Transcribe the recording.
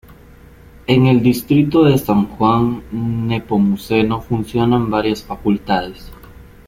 En el distrito de San Juan Nepomuceno funcionan varias facultades.